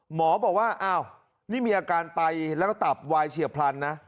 หมอบอกว่าอ้าวนี่มีอาการไตแล้วก็ตับวายเฉียบพลันนะ